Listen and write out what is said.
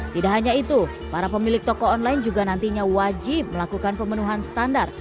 tidak hanya itu para pemilik toko online juga nantinya wajib melakukan pemenuhan standar